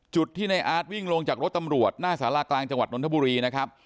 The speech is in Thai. จุดที่ในอาร์ตวิ่งลงจากรถตำรวจหน้าสารากลางจังหวัดนทบุรีนะครับ